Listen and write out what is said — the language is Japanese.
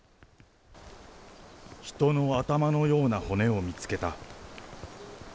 人の頭のような骨を見つけた。